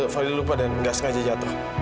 fadil lupa dan enggak sengaja jatuh